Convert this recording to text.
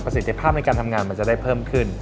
สิทธิภาพในการทำงานมันจะได้เพิ่มขึ้น